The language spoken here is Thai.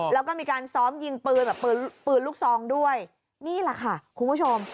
แล้วก็มีการซ้อมยิงปืนแบบปืนลูกซองด้วยนี่แหละค่ะคุณผู้ชม